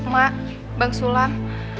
mak bang sulam